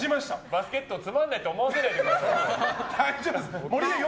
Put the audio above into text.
バスケットつまらないと思わせないでくださいよ。